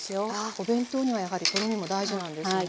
お弁当にはやはりとろみも大事なんですね。